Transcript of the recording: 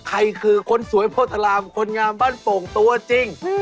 ใครคือคนสวยโพธารามคนงามบ้านโป่งตัวจริง